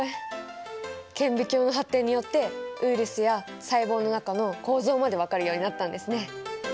顕微鏡の発展によってウイルスや細胞の中の構造まで分かるようになったんですね。